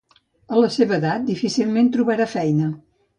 A la seva edat, difícilment trobarà feina.